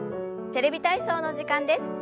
「テレビ体操」の時間です。